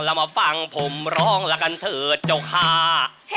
เรามาฟังผมร้องละกันเถิดเจ้าค่า